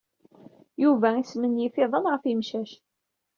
Yuba ismenyif iḍan ɣef yimcac.